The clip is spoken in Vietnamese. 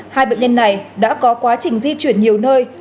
hai bệnh nhân này đã có quá trình di chuyển nhiều nơi và có thể được dịch bệnh